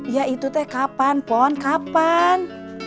ya itu teh kapan pohon kapan